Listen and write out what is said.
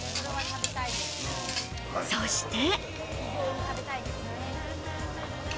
そして。